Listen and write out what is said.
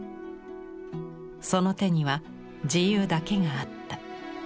その手には自由だけがあった。